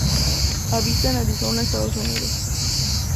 Habita en Arizona Estados Unidos.